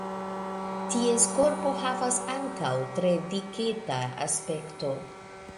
Ties korpo havas ankaŭ tre diketa aspekto.